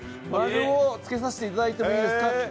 ○を付けさせていただいてもいいですかって。